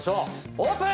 オープン。